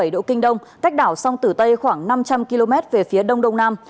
một trăm một mươi tám bảy độ kinh đông cách đảo sông tử tây khoảng năm trăm linh km về phía đông đông nam